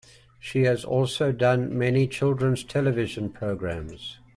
She has also done many children's television programs.